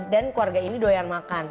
dan keluarga ini doyan makan